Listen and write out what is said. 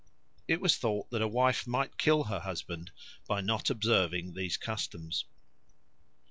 It was thought that a wife might kill her husband by not observing these customs.